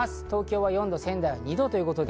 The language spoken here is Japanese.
東京は４度、仙台は２度。